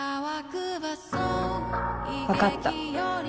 分かった。